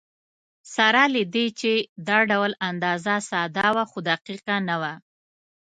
سره له دې چې دا ډول اندازه ساده وه، خو دقیقه نه وه.